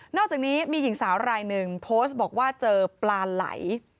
อกจากนี้มีหญิงสาวรายหนึ่งโพสต์บอกว่าเจอปลาไหล